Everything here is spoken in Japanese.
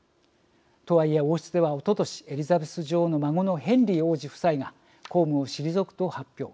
とはいえ、王室ではおととし、エリザベス女王の孫のヘンリー王子夫妻が公務を退くと発表。